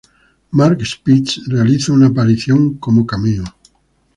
Mark Spitz realiza una aparición como cameo.